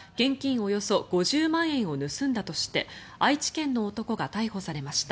およそ５０万円を盗んだとして愛知県の男が逮捕されました。